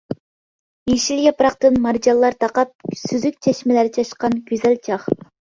يېشىل ياپراقتىن مارجانلار تاقاپ، سۈزۈك چەشمىلەر چاچقان گۈزەل چاغ.